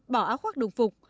bỏ áo khoác đồng phục